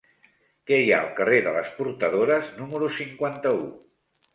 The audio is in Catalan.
Què hi ha al carrer de les Portadores número cinquanta-u?